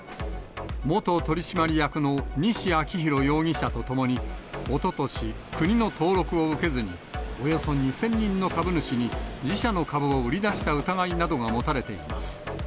元取締役の西昭洋容疑者と共に、おととし、国の登録を受けずにおよそ２０００人の株主に、自社の株を売り出した疑いなどが持たれています。